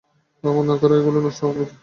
ব্যবহার না করায় এগুলো নষ্ট হওয়ার পথে।